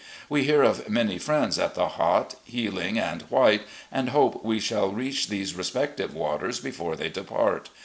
We hear of many friends at the Hot, Healing, and White, and hope we shall reach these respective waters before they depart.